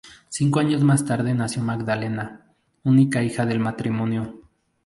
Cinco años más tarde nació Magdalena, única hija del matrimonio.